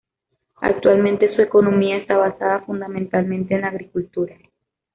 Actualmente su economía está basada fundamentalmente en la agricultura.